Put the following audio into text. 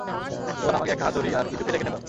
এবার আমাকে একটা হাতুড়ি আর কিছু পেরেক এনে দাও।